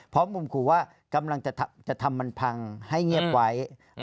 เพราะมุมกลุ่มว่ากำลังจะทำมันพังให้เงียบไว้